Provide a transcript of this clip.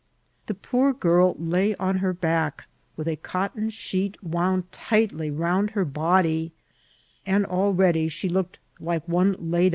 The poor girl lay on h^ back, with a cotton sheet wound tightly around her body; and already she seemed like one laid.